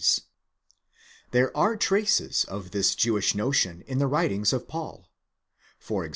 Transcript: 4® There are traces of this Jewish notion in the writings of Paul (e.g.